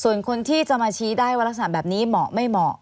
ส่วนคนที่จะมาชี้ได้ว่ารักษณะแบบนี้เหมาะไม่เหมาะ